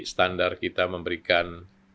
standar kita memberikan